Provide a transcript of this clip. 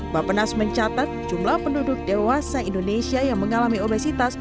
bapenas mencatat jumlah penduduk dewasa indonesia yang mengalami obesitas